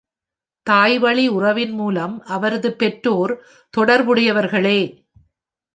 தாய்வழி உறவின் மூலம் அவரது பெற்றோர் தொடர்புடையவர்களே.